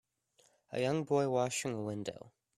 A young boy washing a window.